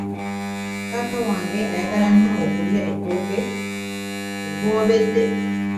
Taata wange ayagala nnyo okulya ettooke eriboobedde.